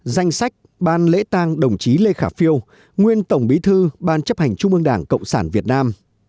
danh sách ban lễ tang đồng chí lê khả phiêu nguyên tổng bí thư ban chấp hành trung ương đảng cộng sản việt nam